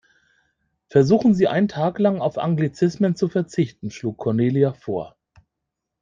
Versuchen Sie, einen Tag lang auf Anglizismen zu verzichten, schlug Cornelia vor.